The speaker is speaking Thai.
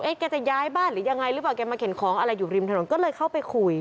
แกจะย้ายบ้านหรือยังไงหรือเปล่าแกมาเข็นของอะไรอยู่ริมถนนก็เลยเข้าไปคุย